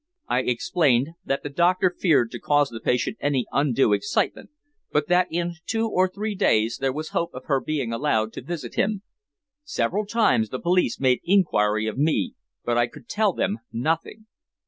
I explained that the doctor feared to cause the patient any undue excitement, but that in two or three days there was hope of her being allowed to visit him. Several times the police made inquiry of me, but I could tell them nothing.